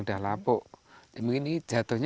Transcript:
sudah lapuk mungkin ini jatuhnya